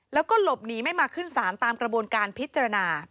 แล้วก็หลบหนีไม่มาขึ้นศาลตามกระบวนการพิจารณา